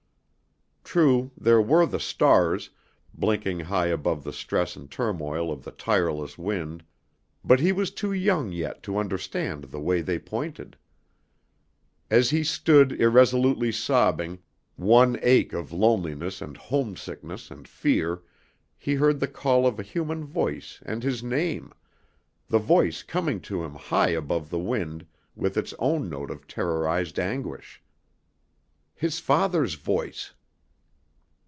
True, there were the stars, blinking high above the stress and turmoil of the tireless wind, but he was too young yet to understand the way they pointed. As he stood irresolutely sobbing, one ache of loneliness and homesickness and fear, he heard the call of a human voice and his name, the voice coming to him high above the wind, with its own note of terrorized anguish. His father's voice!